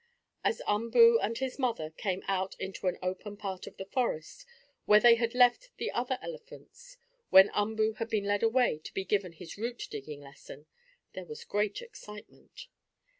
As Umboo and his mother came out into an open part of the forest, where they had left the other elephants, when Umboo had been led away to be given his root digging lesson, there was great excitement.